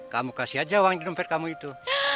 kamu kasih aja uang di dompet kamu itu